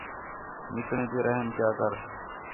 نکڑیں تی رحم کیا کر